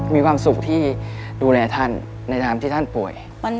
มีความสุขที่ดูแลท่านในทางที่ท่านป่วย